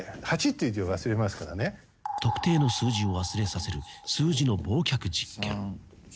「特定の数字を忘れさせる数字の忘却実験」